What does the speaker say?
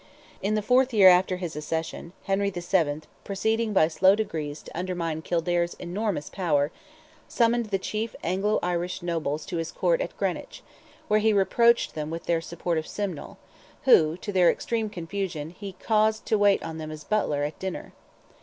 In the fourth year after his accession, Henry VII., proceeding by slow degrees to undermine Kildare's enormous power, summoned the chief Anglo Irish nobles to his Court at Greenwich, where he reproached them with their support of Simnel, who, to their extreme confusion, he caused to wait on them as butler, at dinner.